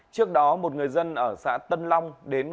trước đó một người dân ở xã tân long đến